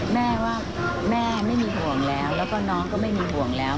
แม่ว่าแม่ไม่มีห่วงแล้วแล้วก็น้องก็ไม่มีห่วงแล้ว